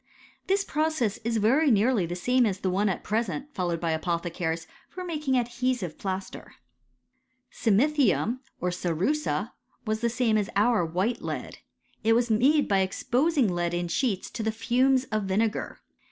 ,* This process is very nearly the same as the one at pre .^ sent followed by apothecaries for making adhesive > plaster. I Psimmythium, or cerussa, was the same as our white .jl lead. It was made by exposing lead in sheets to ih^^t fumes of vinegar.